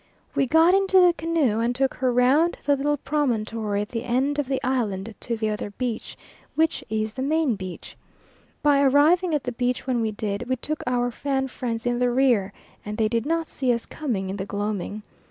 We got into the canoe and took her round the little promontory at the end of the island to the other beach, which is the main beach. By arriving at the beach when we did, we took our Fan friends in the rear, and they did not see us coming in the gloaming.